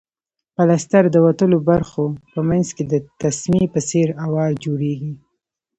پلستر د وتلو برخو په منځ کې د تسمې په څېر اوار جوړیږي.